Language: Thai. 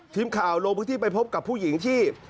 ทีมข่าวลงพื้นที่ไปพบกับผู้หญิงที่